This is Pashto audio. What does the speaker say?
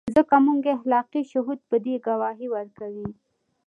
ځکه زموږ اخلاقي شهود په دې ګواهي ورکوي.